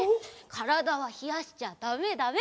からだはひやしちゃだめだめ！